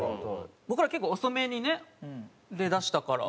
僕ら結構遅めにね出だしたから。